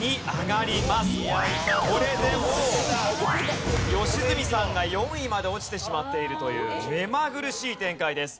これでもう良純さんが４位まで落ちてしまっているというめまぐるしい展開です。